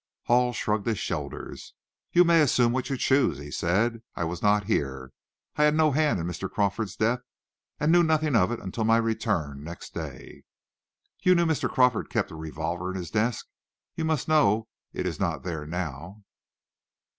Hall shrugged his shoulders. "You may assume what you choose," he said. "I was not here, I had no hand in Mr. Crawford's death, and knew nothing of it until my return next day." "You knew Mr. Crawford kept a revolver in his desk. You must know it is not there now."